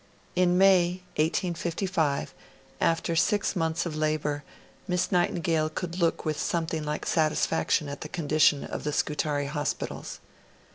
In May, 1855, after six months of labour, Miss Nightingale could look with something like satisfaction at the condition of the Scutari hospitals.